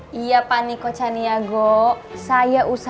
jangan protes kalo gaji kamu telat juga